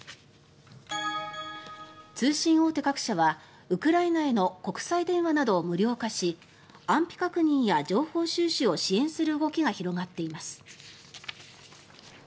通信大手各社はウクライナへの国際電話などを無料化し安否確認や情報収集を支援する動きが広がっています。